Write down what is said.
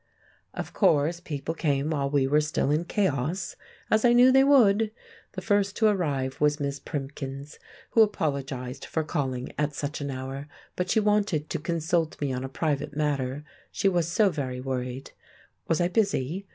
Of course, people came while we were still in chaos, as I knew they would. The first to arrive was Miss Primkins, who apologised for calling at such an hour, but she wanted to consult me on a private matter, she was so very worried. Was I busy?